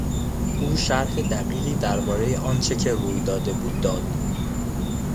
او شرح دقیقی دربارهی آنچه که روی داده بود داد.